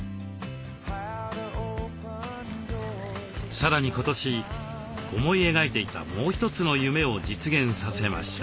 さらに今年思い描いていたもう一つの夢を実現させました。